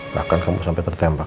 bahkan kamu sampai tertembak